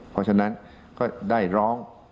เพราะฉะนั้นก็ได้ร้อง